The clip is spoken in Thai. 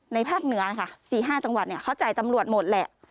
ภาคเหนือนะคะ๔๕จังหวัดเขาจ่ายตำรวจหมดแหละ